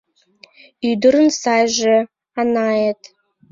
Ӱдырын сайже — Анаэт